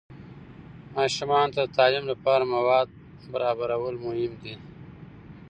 ماشومان ته د تعلیم لپاره مواد برابرول مهم دي.